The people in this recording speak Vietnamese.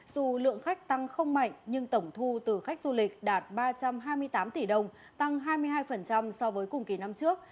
dù lượng khách tăng không mạnh nhưng tổng thu từ khách du lịch đạt ba trăm hai mươi tám tỷ đồng tăng hai mươi hai so với cùng kỳ năm trước